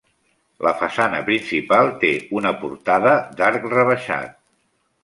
La façana principal té una portada d'arc rebaixat.